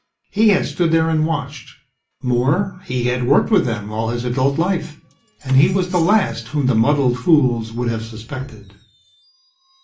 He had stood there and watched more, he had worked with them all his adult life and he was the last whom the muddled fools would have suspected.